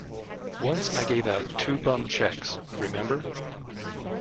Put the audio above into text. Once I gave out two bum checks — remember?